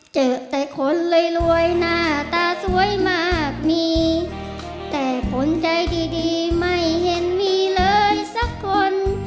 เจอแต่คนรวยรวยหน้าตาสวยมากมีแต่คนใจดีดีไม่เห็นมีเลยสักคน